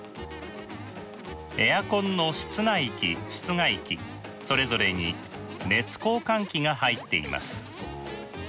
エアコンの室内機室外機それぞれに熱交換器が入っています。